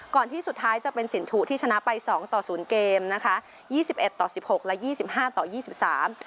ที่สุดท้ายจะเป็นสินทุที่ชนะไปสองต่อศูนย์เกมนะคะยี่สิบเอ็ดต่อสิบหกและยี่สิบห้าต่อยี่สิบสาม